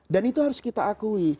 dan itu harus kita akui